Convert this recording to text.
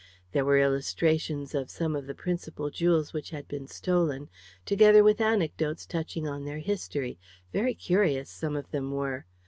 There were illustrations of some of the principal jewels which had been stolen, together with anecdotes touching on their history very curious some of them were!